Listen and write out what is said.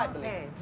ini adalah pipi